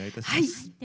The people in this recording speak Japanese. はい。